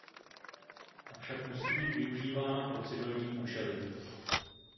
Avšak musí být využívána pro civilní účely.